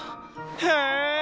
へえ！